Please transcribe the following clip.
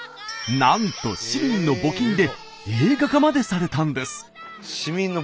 なんと市民の募金で映画化までされたんです。